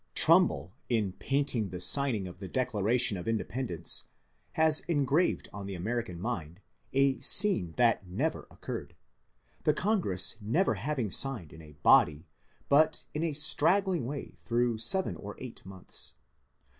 4 MONCURE DANIEL CONWAY Trumbull, in painting the Signing of the Declaration of Independence, has engraved on the American mind a scene that never occurred, the Congress never having signed in a body but in a straggling way through seven or eight months.